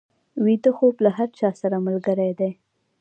ویده خوب له هر چا سره ملګری دی